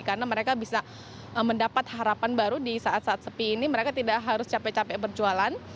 karena mereka bisa mendapat harapan baru di saat saat sepi ini mereka tidak harus capek capek berjualan